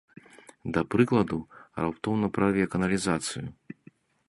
Да прыкладу, раптоўна прарве каналізацыю.